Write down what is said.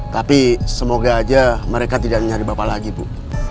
tapi semoga aja mereka tidak nyari bapak lagi bu